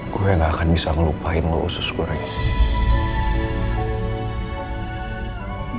gue gak akan bisa ngelupain lo usus goreng